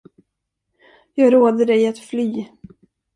Jag råder dig att fly.